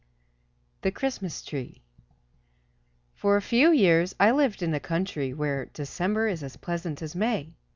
"_ THE CHRISTMAS TREE For a few years I lived in a country where "December is as pleasant as May."